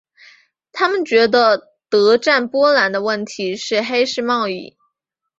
他们觉得德占波兰的问题是黑市贸易。